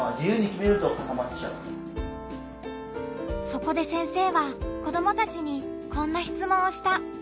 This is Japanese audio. そこで先生は子どもたちにこんな質問をした。